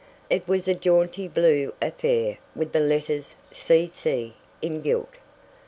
It was a jaunty blue affair with the letters "C.C." in gilt.